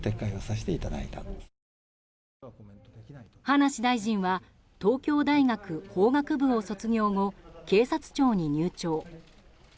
葉梨大臣は東京大学法学部を卒業後、警察庁に入庁。